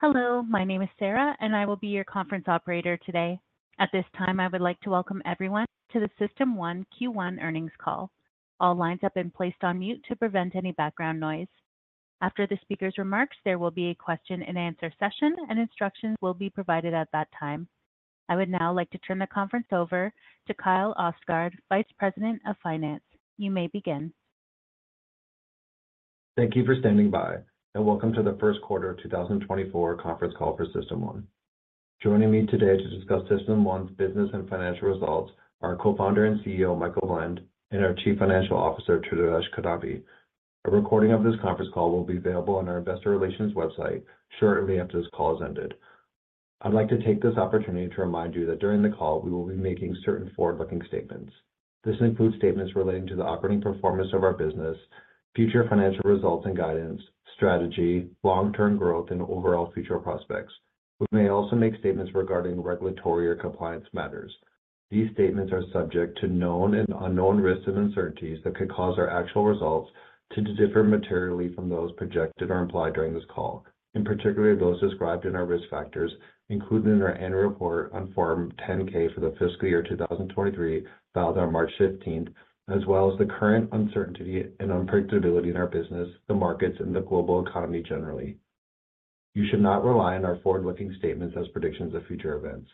Hello, my name is Sarah, and I will be your conference operator today. At this time, I would like to welcome everyone to the System1 Q1 Earnings Call. All lines have been placed on mute to prevent any background noise. After the speaker's remarks, there will be a question-and-answer session, and instructions will be provided at that time. I would now like to turn the conference over to Kyle Ostgaard, Vice President of Finance. You may begin. Thank you for standing by, and welcome to the First Quarter 2024 Conference Call for System1. Joining me today to discuss System1's business and financial results are our Co-founder and CEO, Michael Blend, and our Chief Financial Officer, Tridivesh Kidambi. A recording of this conference call will be available on our investor relations website shortly after this call has ended. I'd like to take this opportunity to remind you that during the call we will be making certain forward-looking statements. This includes statements relating to the operating performance of our business, future financial results and guidance, strategy, long-term growth, and overall future prospects. We may also make statements regarding regulatory or compliance matters. These statements are subject to known and unknown risks and uncertainties that could cause our actual results to differ materially from those projected or implied during this call, in particular those described in our risk factors, included in our annual report on Form 10-K for the fiscal year 2023 filed on March 15th, as well as the current uncertainty and unpredictability in our business, the markets, and the global economy generally. You should not rely on our forward-looking statements as predictions of future events.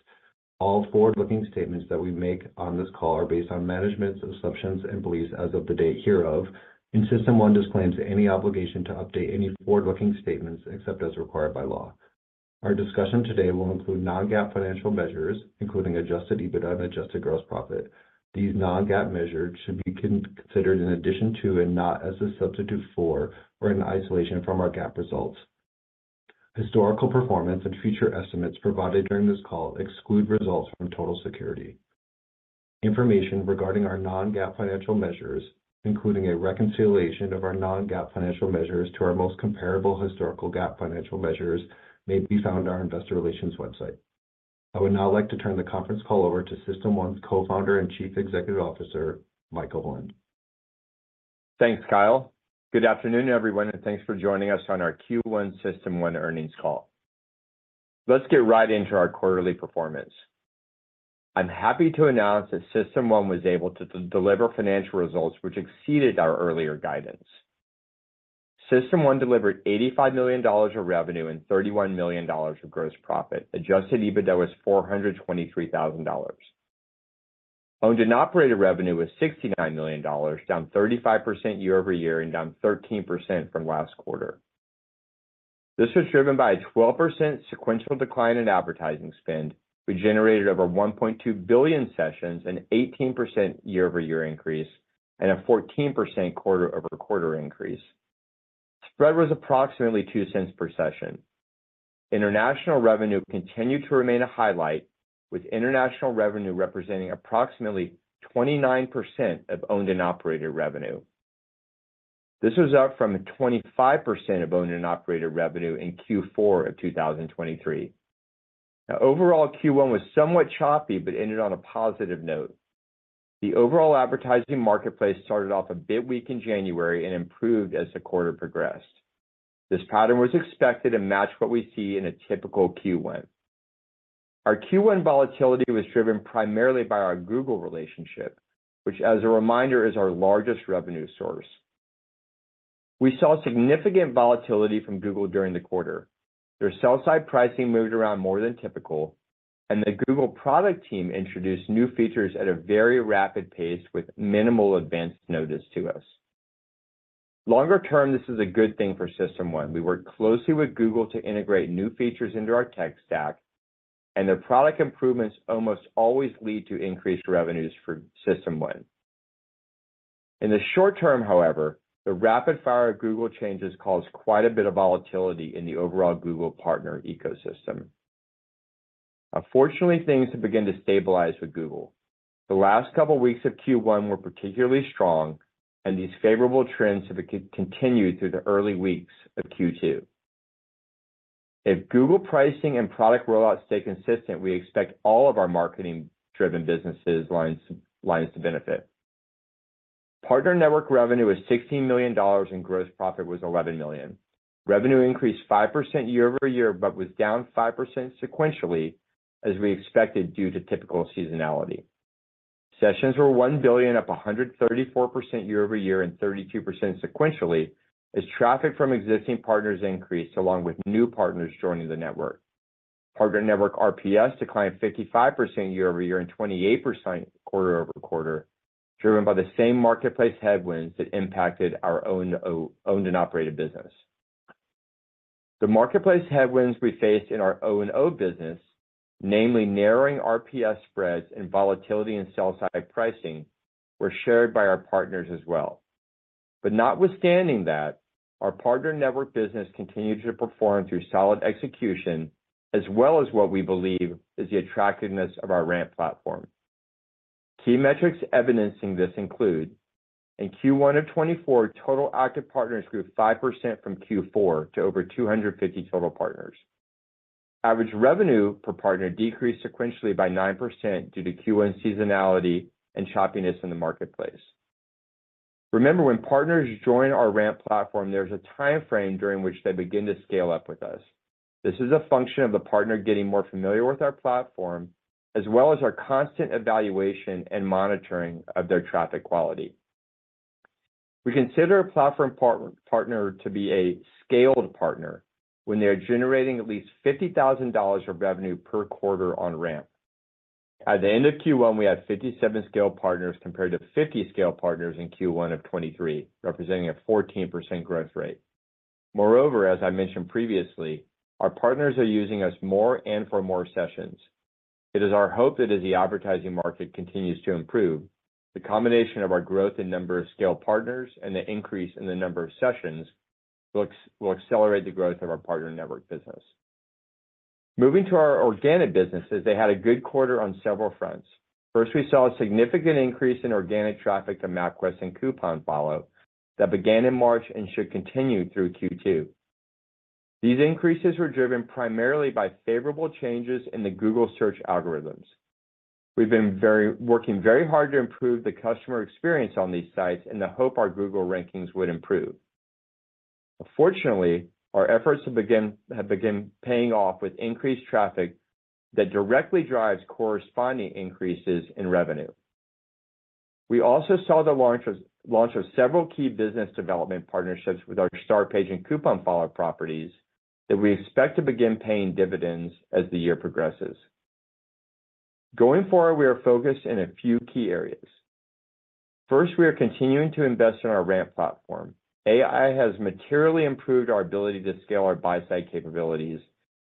All forward-looking statements that we make on this call are based on management's assumptions and beliefs as of the date hereof, and System1 disclaims any obligation to update any forward-looking statements except as required by law. Our discussion today will include non-GAAP financial measures, including adjusted EBITDA and Adjusted Gross Profit. These non-GAAP measures should be considered in addition to and not as a substitute for or in isolation from our GAAP results. Historical performance and future estimates provided during this call exclude results from Total Security. Information regarding our non-GAAP financial measures, including a reconciliation of our non-GAAP financial measures to our most comparable historical GAAP financial measures, may be found on our investor relations website. I would now like to turn the conference call over to System1's Co-founder and Chief Executive Officer, Michael Blend. Thanks, Kyle. Good afternoon, everyone, and thanks for joining us on our Q1 System1 earnings call. Let's get right into our quarterly performance. I'm happy to announce that System1 was able to deliver financial results which exceeded our earlier guidance. System1 delivered $85 million of revenue and $31 million of gross profit. Adjusted EBITDA was $423,000. Owned and operated revenue was $69 million, down 35% year-over-year and down 13% from last quarter. This was driven by a 12% sequential decline in advertising spend, which generated over 1.2 billion sessions, an 18% year-over-year increase, and a 14% quarter-over-quarter increase. Spread was approximately $0.02 per session. International revenue continued to remain a highlight, with international revenue representing approximately 29% of owned and operated revenue. This was up from 25% of owned and operated revenue in Q4 of 2023. Now, overall, Q1 was somewhat choppy but ended on a positive note. The overall advertising marketplace started off a bit weak in January and improved as the quarter progressed. This pattern was expected to match what we see in a typical Q1. Our Q1 volatility was driven primarily by our Google relationship, which, as a reminder, is our largest revenue source. We saw significant volatility from Google during the quarter. Their sell-side pricing moved around more than typical, and the Google product team introduced new features at a very rapid pace with minimal advance notice to us. Longer term, this is a good thing for System1. We work closely with Google to integrate new features into our tech stack, and their product improvements almost always lead to increased revenues for System1. In the short term, however, the rapid fire of Google changes caused quite a bit of volatility in the overall Google partner ecosystem. Now, fortunately, things have begun to stabilize with Google. The last couple of weeks of Q1 were particularly strong, and these favorable trends have continued through the early weeks of Q2. If Google pricing and product rollouts stay consistent, we expect all of our marketing-driven business lines to benefit. Partner network revenue was $16 million, and gross profit was $11 million. Revenue increased 5% year-over-year but was down 5% sequentially, as we expected due to typical seasonality. Sessions were 1 billion, up 134% year-over-year and 32% sequentially, as traffic from existing partners increased along with new partners joining the network. Partner network RPS declined 55% year-over-year and 28% quarter-over-quarter, driven by the same marketplace headwinds that impacted our owned and operated business. The marketplace headwinds we faced in our owned business, namely narrowing RPS spreads and volatility in sell-side pricing, were shared by our partners as well. But notwithstanding that, our partner network business continued to perform through solid execution as well as what we believe is the attractiveness of our RAMP platform. Key metrics evidencing this include: In Q1 of 2024, total active partners grew 5% from Q4 to over 250 total partners. Average revenue per partner decreased sequentially by 9% due to Q1 seasonality and choppiness in the marketplace. Remember, when partners join our RAMP platform, there's a time frame during which they begin to scale up with us. This is a function of the partner getting more familiar with our platform as well as our constant evaluation and monitoring of their traffic quality. We consider a platform partner to be a scaled partner when they are generating at least $50,000 of revenue per quarter on RAMP. At the end of Q1, we had 57 scaled partners compared to 50 scaled partners in Q1 of 2023, representing a 14% growth rate. Moreover, as I mentioned previously, our partners are using us more and for more sessions. It is our hope that as the advertising market continues to improve, the combination of our growth in number of scaled partners and the increase in the number of sessions will accelerate the growth of our partner network business. Moving to our organic businesses, they had a good quarter on several fronts. First, we saw a significant increase in organic traffic to MapQuest and CouponFollow that began in March and should continue through Q2. These increases were driven primarily by favorable changes in the Google search algorithms. We've been working very hard to improve the customer experience on these sites in the hope our Google rankings would improve. Fortunately, our efforts have begun paying off with increased traffic that directly drives corresponding increases in revenue. We also saw the launch of several key business development partnerships with our Startpage and CouponFollow properties that we expect to begin paying dividends as the year progresses. Going forward, we are focused in a few key areas. First, we are continuing to invest in our RAMP platform. AI has materially improved our ability to scale our buy-side capabilities,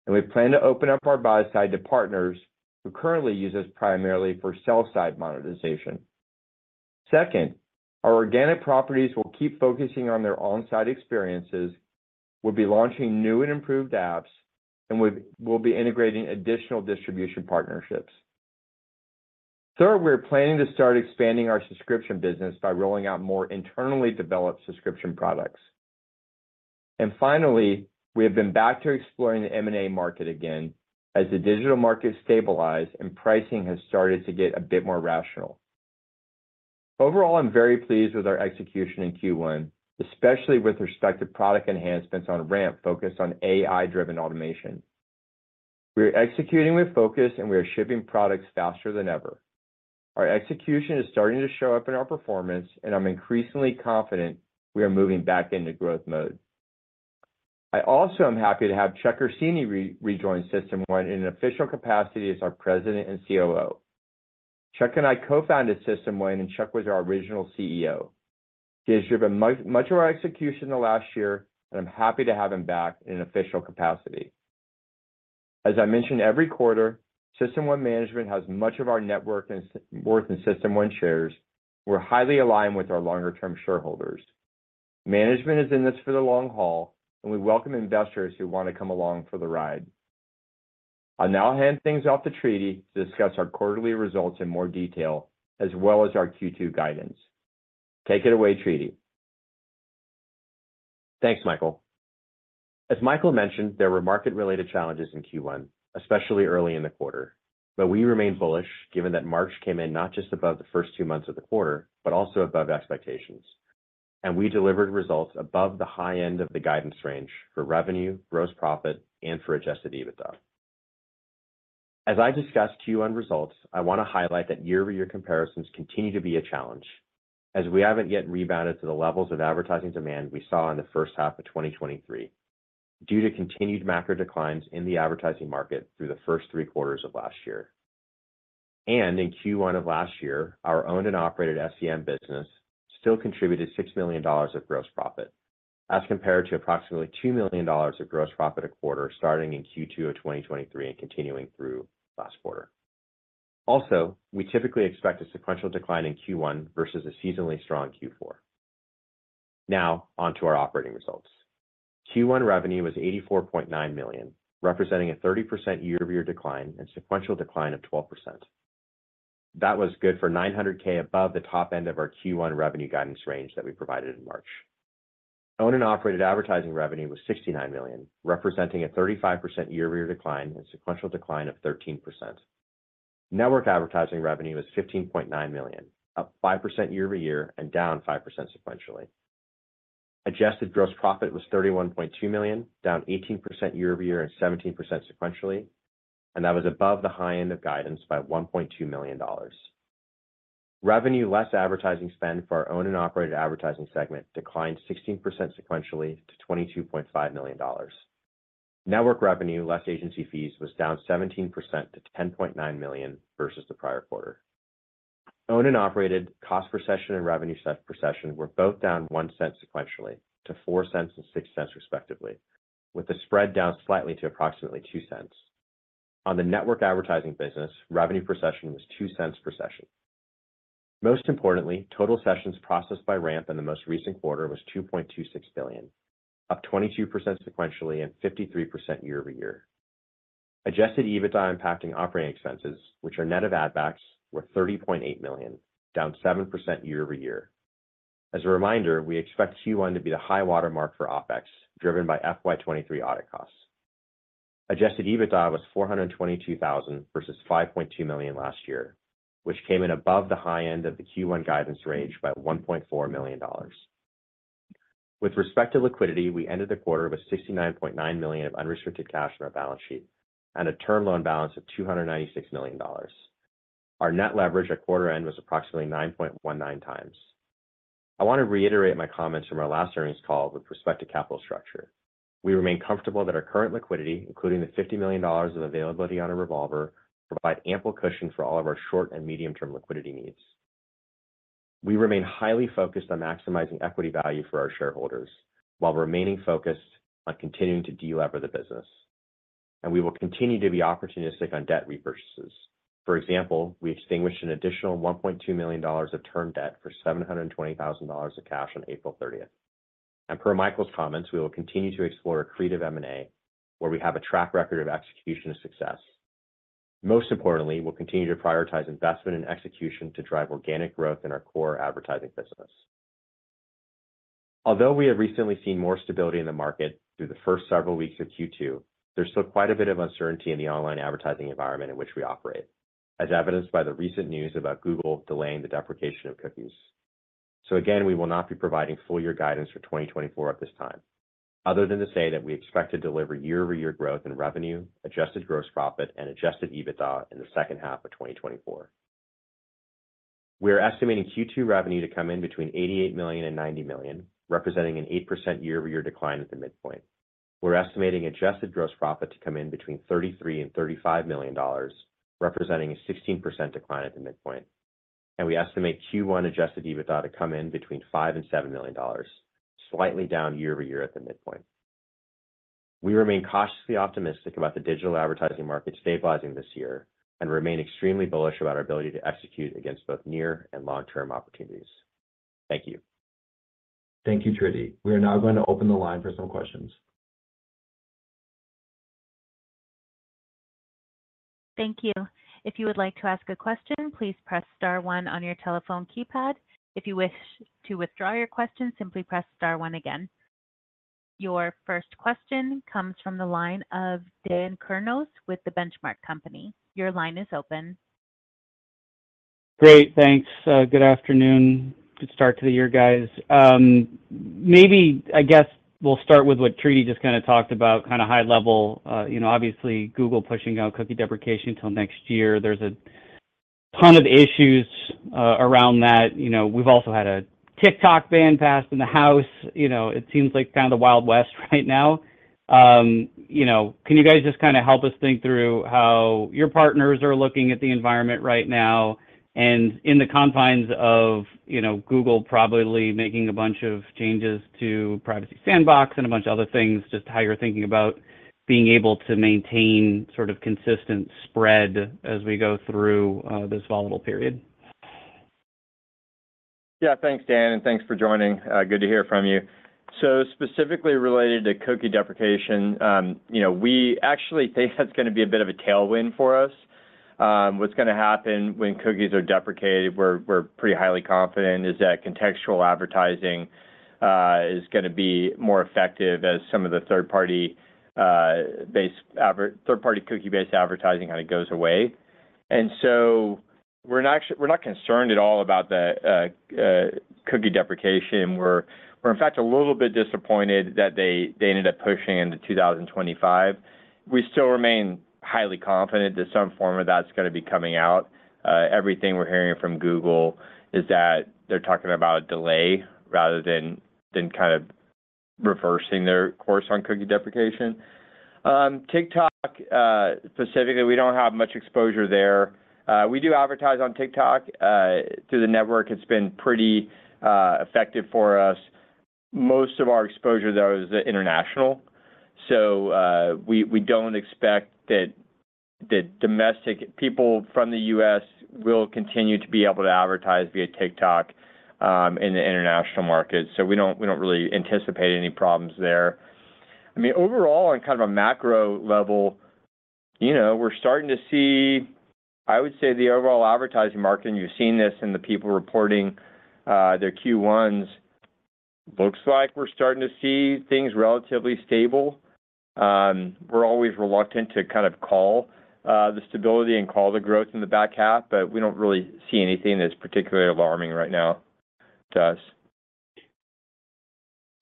and we plan to open up our buy-side to partners who currently use us primarily for sell-side monetization. Second, our organic properties will keep focusing on their on-site experiences, will be launching new and improved apps, and will be integrating additional distribution partnerships. Third, we are planning to start expanding our subscription business by rolling out more internally developed subscription products. And finally, we have been back to exploring the M&A market again as the digital market stabilized and pricing has started to get a bit more rational. Overall, I'm very pleased with our execution in Q1, especially with respect to product enhancements on RAMP focused on AI-driven automation. We are executing with focus, and we are shipping products faster than ever. Our execution is starting to show up in our performance, and I'm increasingly confident we are moving back into growth mode. I also am happy to have Chuck Ursini rejoin System1 in an official capacity as our President and COO. Chuck and I co-founded System1, and Chuck was our original CEO. He has driven much of our execution the last year, and I'm happy to have him back in an official capacity. As I mentioned, every quarter, System1 management has much of our net worth in System1 shares, and we're highly aligned with our longer-term shareholders. Management is in this for the long haul, and we welcome investors who want to come along for the ride. I'll now hand things off to Tridivesh to discuss our quarterly results in more detail as well as our Q2 guidance. Take it away, Tridivesh. Thanks, Michael. As Michael mentioned, there were market-related challenges in Q1, especially early in the quarter. But we remain bullish given that March came in not just above the first two months of the quarter but also above expectations. We delivered results above the high end of the guidance range for revenue, gross profit, and for Adjusted EBITDA. As I discussed Q1 results, I want to highlight that year-over-year comparisons continue to be a challenge as we haven't yet rebounded to the levels of advertising demand we saw in the first half of 2023 due to continued macro declines in the advertising market through the first three quarters of last year. In Q1 of last year, our owned and operated SEM business still contributed $6 million of gross profit as compared to approximately $2 million of gross profit a quarter starting in Q2 of 2023 and continuing through last quarter. Also, we typically expect a sequential decline in Q1 versus a seasonally strong Q4. Now, onto our operating results. Q1 revenue was $84.9 million, representing a 30% year-over-year decline and sequential decline of 12%. That was good for $900K above the top end of our Q1 revenue guidance range that we provided in March. Owned and operated advertising revenue was $69 million, representing a 35% year-over-year decline and sequential decline of 13%. Network advertising revenue was $15.9 million, up 5% year-over-year and down 5% sequentially. Adjusted Gross Profit was $31.2 million, down 18% year-over-year and 17% sequentially, and that was above the high end of guidance by $1.2 million. Revenue less advertising spend for our owned and operated advertising segment declined 16% sequentially to $22.5 million. Network revenue less agency fees was down 17% to $10.9 million versus the prior quarter. Owned and operated cost per session and revenue per session were both down $0.01 sequentially to $0.04 and $0.06 respectively, with the spread down slightly to approximately $0.02. On the network advertising business, revenue per session was $0.02 per session. Most importantly, total sessions processed by RAMP in the most recent quarter was 2.26 billion, up 22% sequentially and 53% year-over-year. Adjusted EBITDA impacting operating expenses, which are net of add-backs, were $30.8 million, down 7% year-over-year. As a reminder, we expect Q1 to be the high watermark for OpEx driven by FY 2023 audit costs. Adjusted EBITDA was $422,000 versus $5.2 million last year, which came in above the high end of the Q1 guidance range by $1.4 million. With respect to liquidity, we ended the quarter with $69.9 million of unrestricted cash on our balance sheet and a term loan balance of $296 million. Our net leverage at quarter end was approximately 9.19x. I want to reiterate my comments from our last earnings call with respect to capital structure. We remain comfortable that our current liquidity, including the $50 million of availability on a revolver, provides ample cushion for all of our short and medium-term liquidity needs. We remain highly focused on maximizing equity value for our shareholders while remaining focused on continuing to delever the business. We will continue to be opportunistic on debt repurchases. For example, we extinguished an additional $1.2 million of term debt for $720,000 of cash on April 30th. Per Michael's comments, we will continue to explore accretive M&A where we have a track record of execution and success. Most importantly, we'll continue to prioritize investment and execution to drive organic growth in our core advertising business. Although we have recently seen more stability in the market through the first several weeks of Q2, there's still quite a bit of uncertainty in the online advertising environment in which we operate, as evidenced by the recent news about Google delaying the deprecation of cookies. So again, we will not be providing full-year guidance for 2024 at this time, other than to say that we expect to deliver year-over-year growth in revenue, Adjusted Gross Profit, and adjusted EBITDA in the second half of 2024. We are estimating Q2 revenue to come in between $88-$90 million, representing an 8% year-over-year decline at the midpoint. We're estimating Adjusted Gross Profit to come in between $33-$35 million, representing a 16% decline at the midpoint. And we estimate Q1 adjusted EBITDA to come in between $5-$7 million, slightly down year-over-year at the midpoint. We remain cautiously optimistic about the digital advertising market stabilizing this year and remain extremely bullish about our ability to execute against both near and long-term opportunities. Thank you. Thank you, Tridivesh. We are now going to open the line for some questions. Thank you. If you would like to ask a question, please press star one on your telephone keypad. If you wish to withdraw your question, simply press star one again. Your first question comes from the line of Dan Kurnos with the Benchmark Company. Your line is open. Great. Thanks. Good afternoon. Good start to the year, guys. Maybe, I guess, we'll start with what Tridivesh just kind of talked about, kind of high level. Obviously, Google pushing out cookie deprecation until next year. There's a ton of issues around that. We've also had a TikTok ban passed in the house. It seems like kind of the Wild West right now. Can you guys just kind of help us think through how your partners are looking at the environment right now and in the confines of Google probably making a bunch of changes to Privacy Sandbox and a bunch of other things, just how you're thinking about being able to maintain sort of consistent spread as we go through this volatile period? Yeah. Thanks, Dan. And thanks for joining. Good to hear from you. So specifically related to cookie deprecation, we actually think that's going to be a bit of a tailwind for us. What's going to happen when cookies are deprecated, we're pretty highly confident, is that contextual advertising is going to be more effective as some of the third-party-based third-party cookie-based advertising kind of goes away. And so we're not concerned at all about the cookie deprecation. We're, in fact, a little bit disappointed that they ended up pushing into 2025. We still remain highly confident that some form of that's going to be coming out. Everything we're hearing from Google is that they're talking about a delay rather than kind of reversing their course on cookie deprecation. TikTok specifically, we don't have much exposure there. We do advertise on TikTok. Through the network, it's been pretty effective for us. Most of our exposure, though, is international. So we don't expect that people from the U.S. will continue to be able to advertise via TikTok in the international market. So we don't really anticipate any problems there. I mean, overall, on kind of a macro level, we're starting to see, I would say, the overall advertising market, and you've seen this in the people reporting their Q1s, looks like we're starting to see things relatively stable. We're always reluctant to kind of call the stability and call the growth in the back half, but we don't really see anything that's particularly alarming right now to us.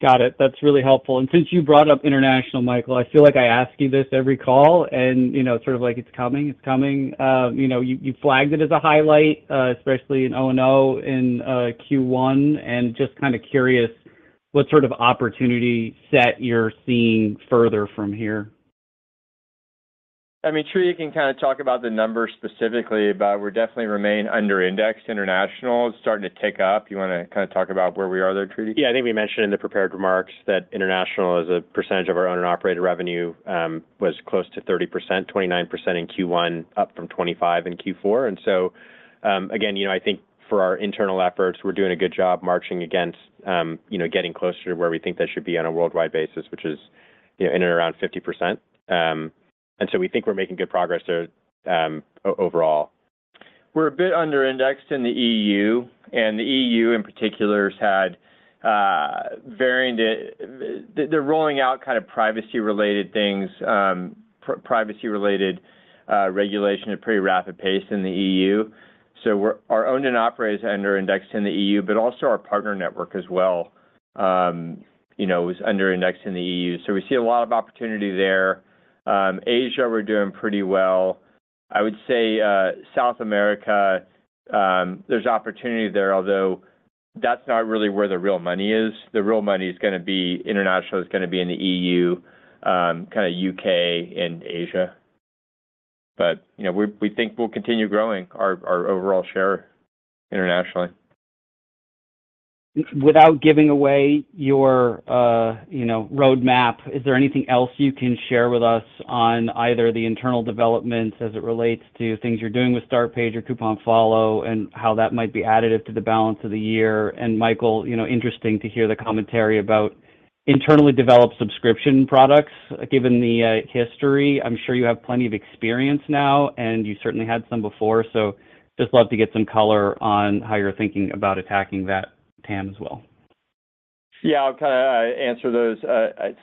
Got it. That's really helpful. And since you brought up international, Michael, I feel like I ask you this every call, and it's sort of like, "It's coming. It's coming." You flagged it as a highlight, especially an O&O in Q1, and just kind of curious what sort of opportunity set you're seeing further from here. I mean, Tridivesh can kind of talk about the numbers specifically, but we definitely remain underindexed. International is starting to tick up. You want to kind of talk about where we are there, Tridivesh? Yeah. I think we mentioned in the prepared remarks that international, as a percentage of our owned and operated revenue, was close to 30%, 29% in Q1, up from 25% in Q4. And so again, I think for our internal efforts, we're doing a good job marching against getting closer to where we think that should be on a worldwide basis, which is in and around 50%. And so we think we're making good progress there overall. We're a bit underindexed in the E.U., and the E.U. in particular has had variants they're rolling out kind of privacy-related things, privacy-related regulation at a pretty rapid pace in the E.U. So our owned and operated is underindexed in the E.U., but also our partner network as well is underindexed in the E.U. So we see a lot of opportunity there. Asia, we're doing pretty well. I would say South America, there's opportunity there, although that's not really where the real money is. The real money is going to be international is going to be in the E.U., kind of U.K., and Asia. But we think we'll continue growing our overall share internationally. Without giving away your roadmap, is there anything else you can share with us on either the internal developments as it relates to things you're doing with Startpage or CouponFollow and how that might be additive to the balance of the year? And Michael, interesting to hear the commentary about internally developed subscription products. Given the history, I'm sure you have plenty of experience now, and you certainly had some before. So just love to get some color on how you're thinking about attacking that RAMP as well. Yeah. I'll kind of answer those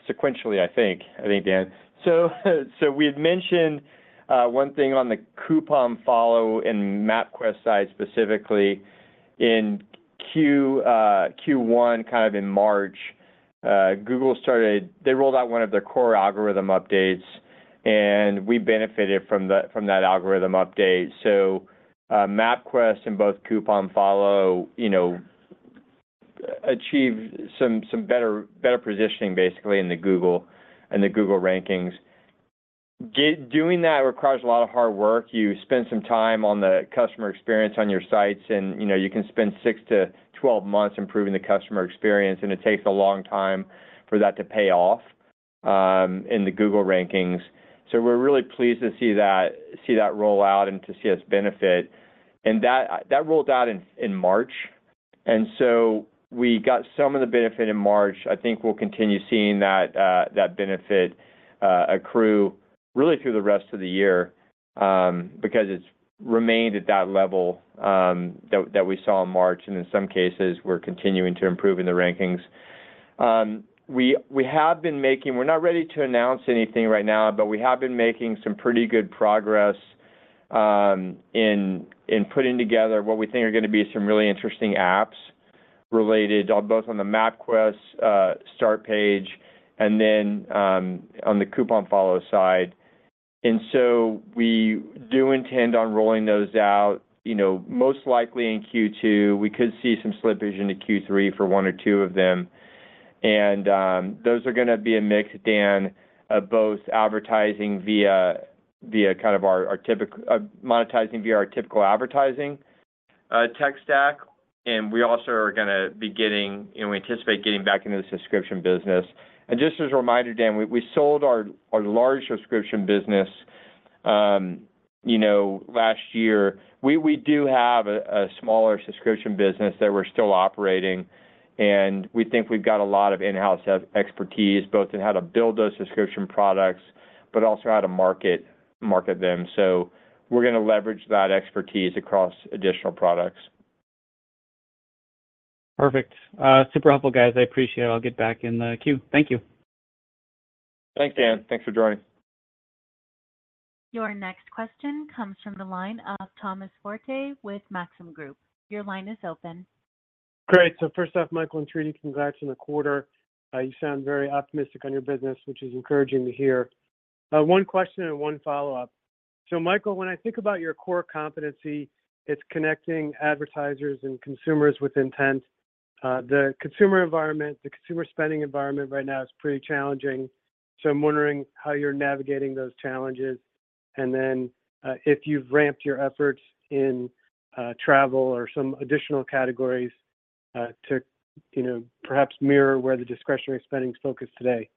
sequentially, I think, Dan. So we had mentioned one thing on the CouponFollow and MapQuest side specifically. In Q1, kind of in March, Google started, they rolled out one of their core algorithm updates, and we benefited from that algorithm update. MapQuest and both CouponFollow achieved some better positioning, basically, in the Google rankings. Doing that requires a lot of hard work. You spend some time on the customer experience on your sites, and you can spend 6-12 months improving the customer experience, and it takes a long time for that to pay off in the Google rankings. We're really pleased to see that roll out and to see us benefit. That rolled out in March. We got some of the benefit in March. I think we'll continue seeing that benefit accrue really through the rest of the year because it's remained at that level that we saw in March. In some cases, we're continuing to improve in the rankings. We're not ready to announce anything right now, but we have been making some pretty good progress in putting together what we think are going to be some really interesting apps related both on the MapQuest, Startpage, and then on the CouponFollow side. So we do intend on rolling those out, most likely in Q2. We could see some slippage into Q3 for one or two of them. Those are going to be a mix, Dan, of both advertising via kind of our monetizing via our typical advertising tech stack. We also anticipate getting back into the subscription business. Just as a reminder, Dan, we sold our large subscription business last year. We do have a smaller subscription business that we're still operating. We think we've got a lot of in-house expertise both in how to build those subscription products but also how to market them. So we're going to leverage that expertise across additional products. Perfect. Super helpful, guys. I appreciate it. I'll get back in the queue. Thank you. Thanks, Dan. Thanks for joining. Your next question comes from the line of Tom Forte with Maxim Group. Your line is open. Great. So first off, Michael and Tridivesh, congrats on the quarter. You sound very optimistic on your business, which is encouraging to hear. One question and one follow-up. So Michael, when I think about your core competency, it's connecting advertisers and consumers with intent. The consumer environment, the consumer spending environment right now is pretty challenging. So I'm wondering how you're navigating those challenges and then if you've ramped your efforts in travel or some additional categories to perhaps mirror where the discretionary spending is focused today.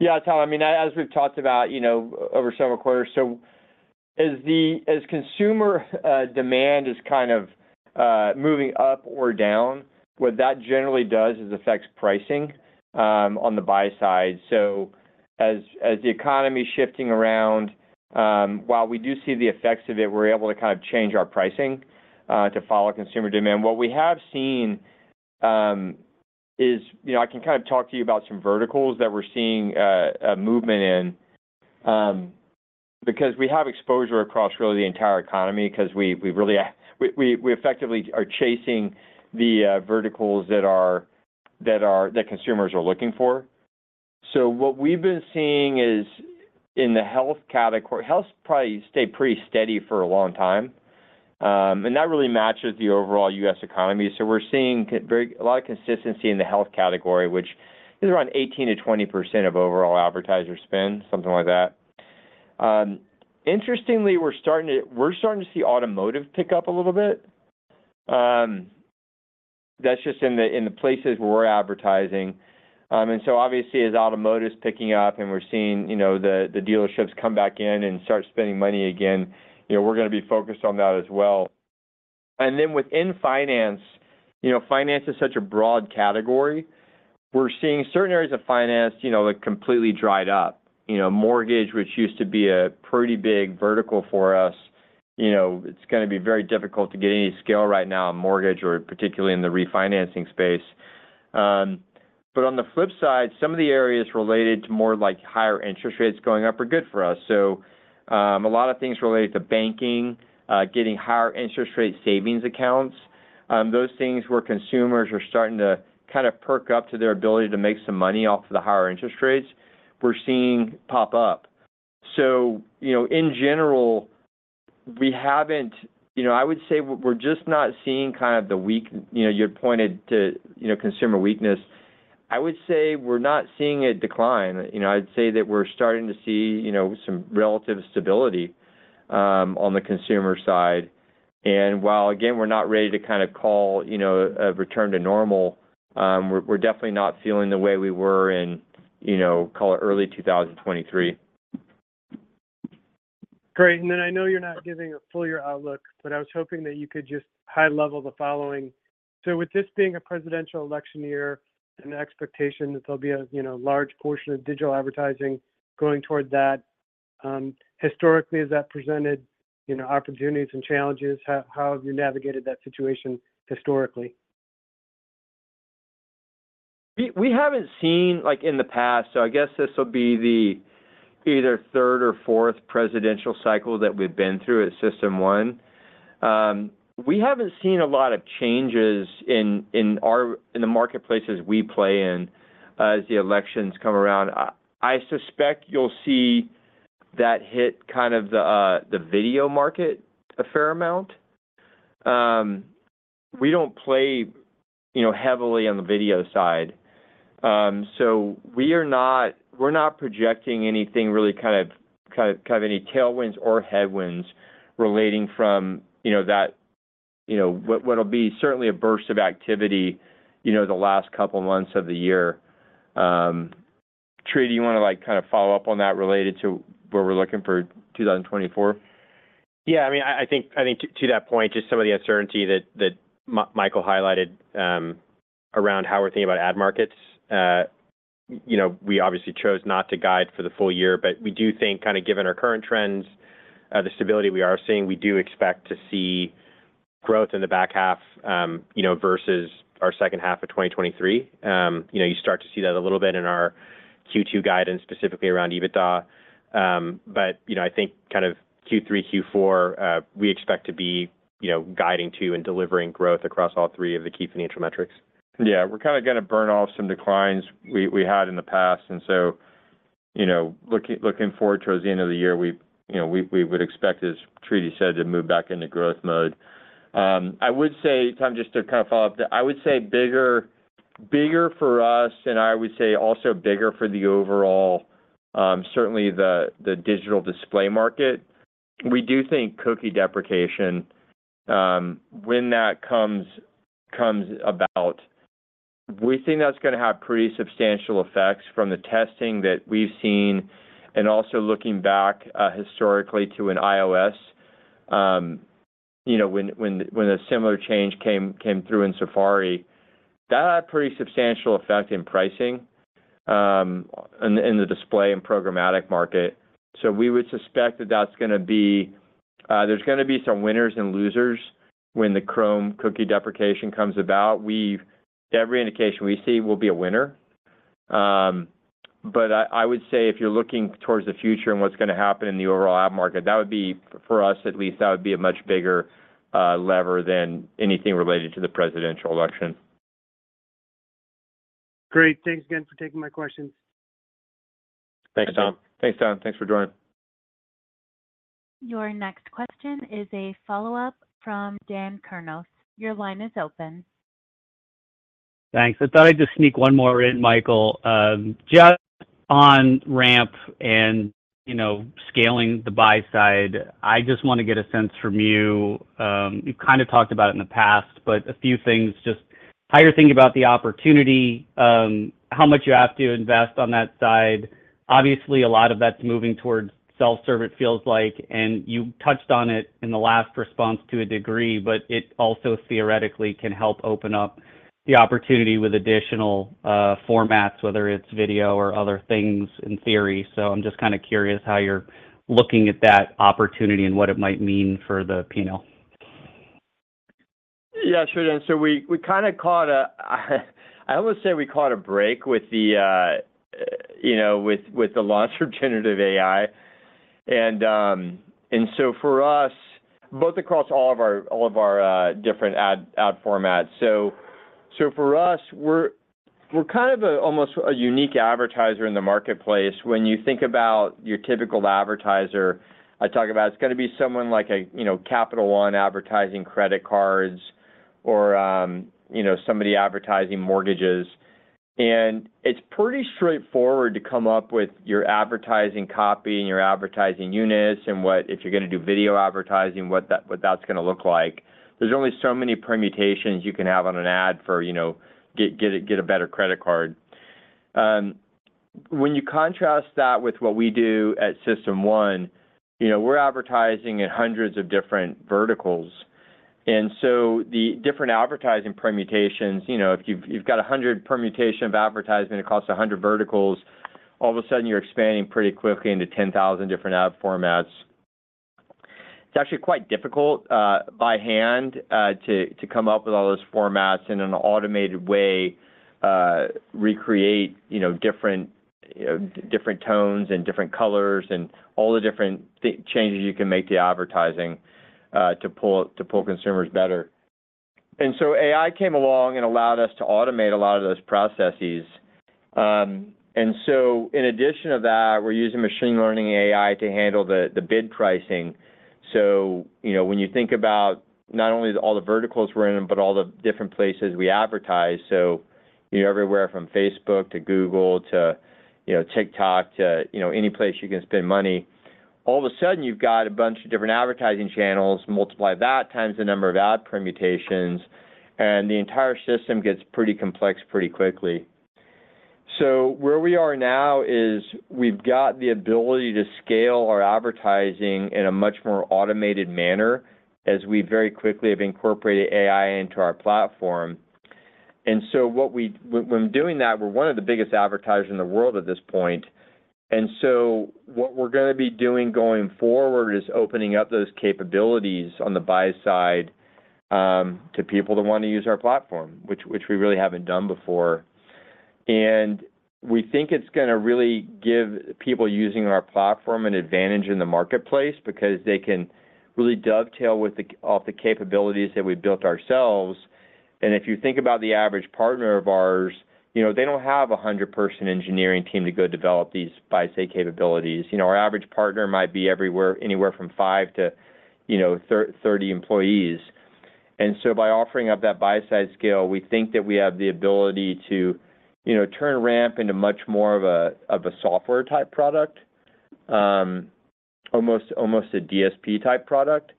Yeah, Tom. I mean, as we've talked about over several quarters, so as consumer demand is kind of moving up or down, what that generally does is affect pricing on the buy side. So as the economy is shifting around, while we do see the effects of it, we're able to kind of change our pricing to follow consumer demand. What we have seen is I can kind of talk to you about some verticals that we're seeing a movement in because we have exposure across really the entire economy because we effectively are chasing the verticals that consumers are looking for. So what we've been seeing is in the health category health probably stayed pretty steady for a long time, and that really matches the overall U.S. economy. So we're seeing a lot of consistency in the health category, which is around 18%-20% of overall advertiser spend, something like that. Interestingly, we're starting to see automotive pick up a little bit. That's just in the places where we're advertising. And so obviously, as automotive is picking up and we're seeing the dealerships come back in and start spending money again, we're going to be focused on that as well. And then within finance, finance is such a broad category. We're seeing certain areas of finance completely dried up. Mortgage, which used to be a pretty big vertical for us, it's going to be very difficult to get any scale right now in mortgage or particularly in the refinancing space. But on the flip side, some of the areas related to more higher interest rates going up are good for us. So a lot of things related to banking, getting higher interest rate savings accounts, those things where consumers are starting to kind of perk up to their ability to make some money off of the higher interest rates, we're seeing pop up. So in general, we haven't I would say we're just not seeing kind of the weak you had pointed to consumer weakness. I would say we're not seeing a decline. I'd say that we're starting to see some relative stability on the consumer side. While, again, we're not ready to kind of call a return to normal, we're definitely not feeling the way we were in, call it, early 2023. Great. Then I know you're not giving a full year outlook, but I was hoping that you could just high-level the following. So with this being a presidential election year, an expectation that there'll be a large portion of digital advertising going toward that, historically, has that presented opportunities and challenges? How have you navigated that situation historically? We haven't seen in the past so I guess this will be the either third or fourth presidential cycle that we've been through at System1. We haven't seen a lot of changes in the marketplaces we play in as the elections come around. I suspect you'll see that hit kind of the video market a fair amount. We don't play heavily on the video side. So we're not projecting anything really kind of any tailwinds or headwinds relating from that what'll be certainly a burst of activity the last couple of months of the year. Tridivesh, you want to kind of follow up on that related to where we're looking for 2024? Yeah. I mean, I think to that point, just some of the uncertainty that Michael highlighted around how we're thinking about ad markets. We obviously chose not to guide for the full year. But we do think kind of given our current trends, the stability we are seeing, we do expect to see growth in the back half versus our second half of 2023. You start to see that a little bit in our Q2 guidance, specifically around EBITDA. But I think kind of Q3, Q4, we expect to be guiding to and delivering growth across all three of the key financial metrics. Yeah. We're kind of going to burn off some declines we had in the past. And so looking forward towards the end of the year, we would expect, as Tridivesh said, to move back into growth mode. I would say, Tom, just to kind of follow up, I would say bigger for us, and I would say also bigger for the overall, certainly the digital display market. We do think cookie deprecation, when that comes about, we think that's going to have pretty substantial effects from the testing that we've seen and also looking back historically to an iOS, when a similar change came through in Safari, that had pretty substantial effect in pricing in the display and programmatic market. So we would suspect that that's going to be some winners and losers when the Chrome cookie deprecation comes about. Every indication we see we'll be a winner. But I would say if you're looking towards the future and what's going to happen in the overall ad market, for us at least, that would be a much bigger lever than anything related to the presidential election. Great. Thanks again for taking my questions. Thanks, Tom. Thanks, Tom. Thanks for joining. Your next question is a follow-up from Dan Kurnos. Your line is open. Thanks. I thought I'd just sneak one more in, Michael. Just on RAMP and scaling the buy side, I just want to get a sense from you you've kind of talked about it in the past, but a few things. Just how you're thinking about the opportunity, how much you have to invest on that side. Obviously, a lot of that's moving towards self-service, it feels like. And you touched on it in the last response to a degree, but it also theoretically can help open up the opportunity with additional formats, whether it's video or other things in theory. So I'm just kind of curious how you're looking at that opportunity and what it might mean for the P&L. Yeah, sure, Dan. So we kind of caught a I almost said we caught a break with the launch of generative AI. And so for us, both across all of our different ad formats so for us, we're kind of almost a unique advertiser in the marketplace. When you think about your typical advertiser I talk about, it's going to be someone like a Capital One advertising credit cards or somebody advertising mortgages. It's pretty straightforward to come up with your advertising copy and your advertising units and if you're going to do video advertising, what that's going to look like. There's only so many permutations you can have on an ad for get a better credit card. When you contrast that with what we do at System1, we're advertising in hundreds of different verticals. So the different advertising permutations if you've got 100 permutations of advertising across 100 verticals, all of a sudden, you're expanding pretty quickly into 10,000 different ad formats. It's actually quite difficult by hand to come up with all those formats and in an automated way, recreate different tones and different colors and all the different changes you can make to advertising to pull consumers better. And so AI came along and allowed us to automate a lot of those processes. And so in addition to that, we're using machine learning AI to handle the bid pricing. So when you think about not only all the verticals we're in but all the different places we advertise, so everywhere from Facebook to Google to TikTok to any place you can spend money, all of a sudden, you've got a bunch of different advertising channels, multiply that times the number of ad permutations, and the entire system gets pretty complex pretty quickly. So where we are now is we've got the ability to scale our advertising in a much more automated manner as we very quickly have incorporated AI into our platform. And so when we're doing that, we're one of the biggest advertisers in the world at this point. And so what we're going to be doing going forward is opening up those capabilities on the buy side to people that want to use our platform, which we really haven't done before. And we think it's going to really give people using our platform an advantage in the marketplace because they can really dovetail off the capabilities that we've built ourselves. And if you think about the average partner of ours, they don't have a 100-person engineering team to go develop these buy-side capabilities. Our average partner might be anywhere from 5-30 employees. By offering up that buy-side scale, we think that we have the ability to turn RAMP into much more of a software-type product, almost a DSP-type product.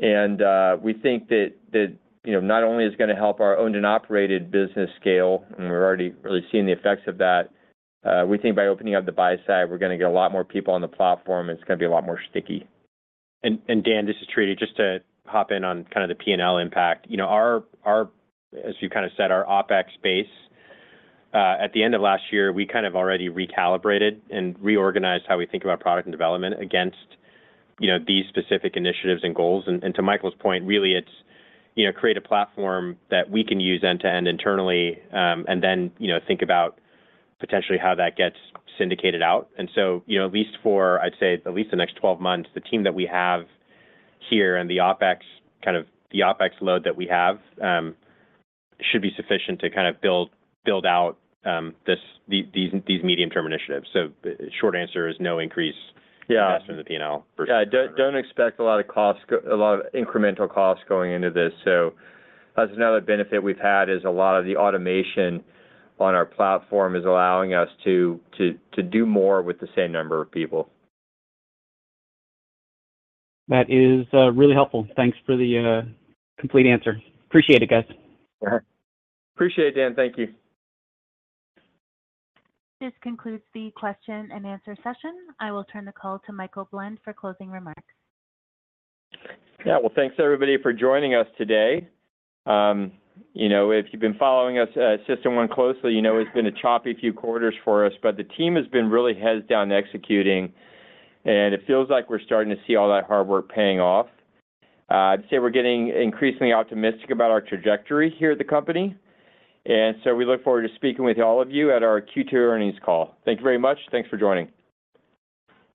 We think that not only is it going to help our Owned and Operated business scale, and we're already really seeing the effects of that, we think by opening up the buy-side, we're going to get a lot more people on the platform, and it's going to be a lot more sticky. And Dan, this is Tridivesh, just to hop in on kind of the P&L impact. As you've kind of said, our OPEX base, at the end of last year, we kind of already recalibrated and reorganized how we think about product and development against these specific initiatives and goals. And to Michael's point, really, it's create a platform that we can use end-to-end internally and then think about potentially how that gets syndicated out. And so at least for, I'd say, at least the next 12 months, the team that we have here and the OpEx kind of the OpEx load that we have should be sufficient to kind of build out these medium-term initiatives. So short answer is no increased investment in the P&L for sure. Yeah. Don't expect a lot of costs a lot of incremental costs going into this. So that's another benefit we've had is a lot of the automation on our platform is allowing us to do more with the same number of people. That is really helpful. Thanks for the complete answer. Appreciate it, guys. Appreciate it, Dan. Thank you. This concludes the question-and-answer session. I will turn the call to Michael Blend for closing remarks. Yeah. Well, thanks, everybody, for joining us today. If you've been following us at System1 closely, you know it's been a choppy few quarters for us. But the team has been really heads-down executing, and it feels like we're starting to see all that hard work paying off. I'd say we're getting increasingly optimistic about our trajectory here at the company. And so we look forward to speaking with all of you at our Q2 earnings call. Thank you very much. Thanks for joining.